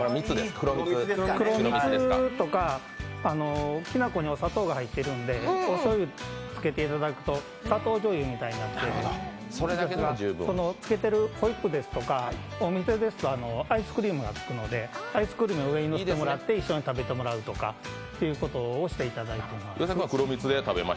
黒蜜とか、きなこにお砂糖が入ってるんで一緒につけていただけると砂糖じょうゆみたいになって、つけてるホイップとか、お店ですとアイスクリームがつくのでアイスクリームの上にのせて一緒に食べてもらうとかということをしてもらっています。